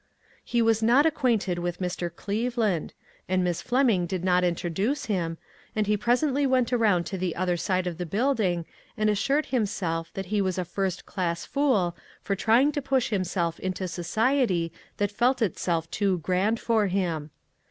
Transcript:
He was not ac quainted with Mr. Cleveland, and Miss Fleming did not introduce him, and he presently went around to the other side of the building and assured himself that he was a first class fool for trying to push himself into society that felt itself too grand for him.